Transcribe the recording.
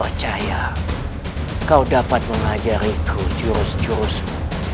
percaya kau dapat mengajari ku jurus jurusmu